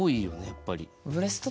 やっぱり。